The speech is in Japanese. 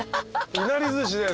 いなり寿司です。